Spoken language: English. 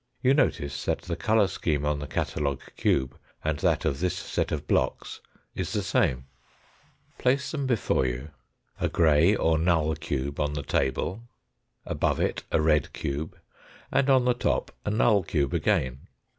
You notice that the colour scheme on the catalogue cube and that of this set of blocks is the same, 234 THE FOURTH DIMENSION Place them before you, a grey or null cube on the table, above it a red cube, and on the top a null cube again.